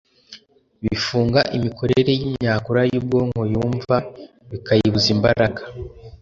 bifunga imikorere y'imyakura y'ubwonko yumva, bikayibuza imbaraga